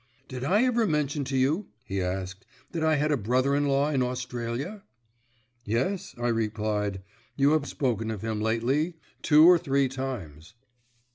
"Did I ever mention to you," he asked, "that I had a brother in law in Australia?" "Yes," I replied, "you have spoken of him lately two or three times."